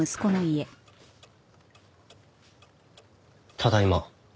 ただいま。